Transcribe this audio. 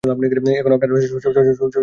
এখন আপনারা সবাই একটা কাজ করুন।